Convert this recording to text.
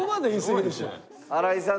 新井さん